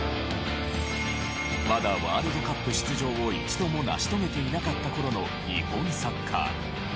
まだワールドカップ出場を一度も成し遂げていなかった頃の日本サッカー。